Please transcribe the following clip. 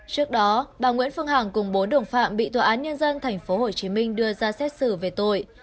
trước đó bà nguyễn phương hằng cùng bốn đồng phạm bị tòa án nhân dân tp hcm đưa ra xét xử về tội